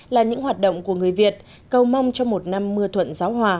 là những hoạt động của người việt cầu mong cho một năm mưa thuận gió hòa